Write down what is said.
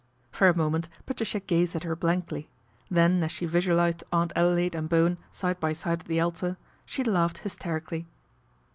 For a moment Patricia gazed at her blankly, then as she visualised Aunt Adelaide and Bowen side by side at the altar she laughed hysterically.